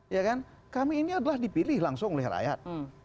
ya kan kami ini adalah dipilih langsung oleh rakyat